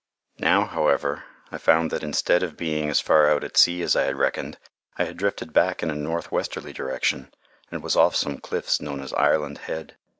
Now, however, I found that instead of being as far out at sea as I had reckoned, I had drifted back in a northwesterly direction, and was off some cliffs known as Ireland Head.